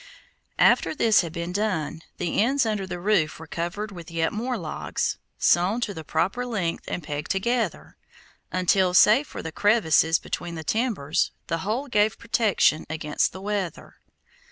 After this had been done, the ends under the roof were covered with yet more logs, sawn to the proper length and pegged together, until, save for the crevices between the timbers, the whole gave protection against the weather.